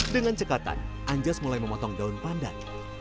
dengan cekatan anjas mulai memotong daun pandan